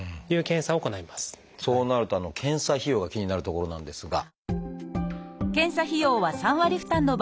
そうなると検査費用が気になるところなんですが。